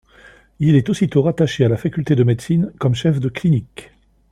Il est aussitôt rattaché à la faculté de médecine comme chef de clinique.